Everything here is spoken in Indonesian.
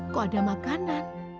kok ada makanan